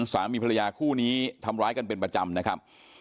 สามีภรรยาคู่นี้ทำร้ายกันเป็นประจำนะครับ